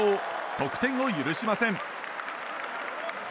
得点を許しません。